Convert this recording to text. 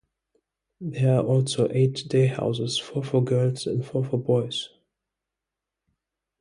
There are also eight day houses, four for girls and four for boys.